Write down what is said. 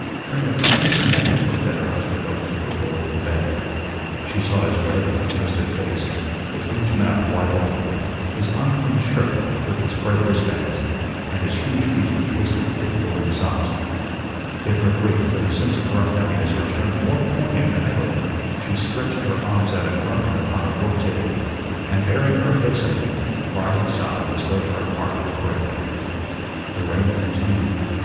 Trina craned her neck and looked at her husband over the footboard of the bed. She saw his red, congested face; the huge mouth wide open; his unclean shirt, with its frayed wristbands; and his huge feet encased in thick woollen socks. Then her grief and the sense of her unhappiness returned more poignant than ever. She stretched her arms out in front of her on her work table, and, burying her face in them, cried and sobbed as though her heart would break. The rain continued.